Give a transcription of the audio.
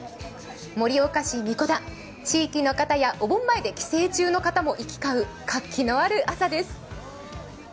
盛岡市、神子田、地域の方やお盆前で地域の方を行き交う活気のある朝です。